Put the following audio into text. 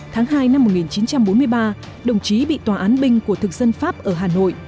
tháng hai năm một nghìn chín trăm bốn mươi ba đồng chí bị tòa án binh của thực dân pháp ở hà nội